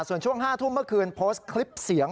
ส่วนช่วง๕ทุ่มเมื่อคืนโพสต์คลิปเสียง